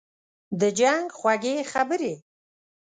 « د جنګ خوږې خبري